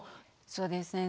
そうですね